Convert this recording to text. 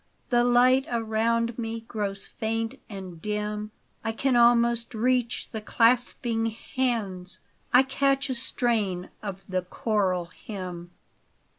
The light around me grows faint and dim. I can almost reach the clasping hands, I catch a strain of the choral hymn.